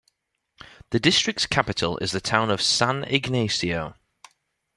The district's capital is the town of San Ignacio.